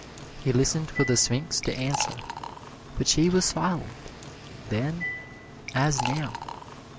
He listened for the Sphinx to answer, but she was silent, then as now.